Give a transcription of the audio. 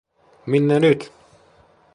Minne nyt?